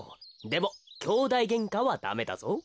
でもきょうだいげんかはダメだぞ。